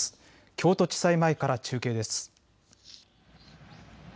京都地裁前から中継です。